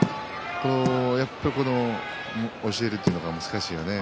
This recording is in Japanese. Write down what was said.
やっぱり教えるのが難しいよね。